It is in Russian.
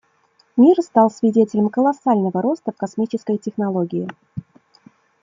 Мир стал свидетелем колоссального роста в космической технологии.